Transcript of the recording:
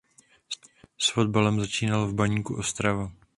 S fotbalem začínal v Baníku Ostrava.